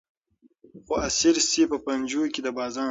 خو اسیر سي په پنجو کي د بازانو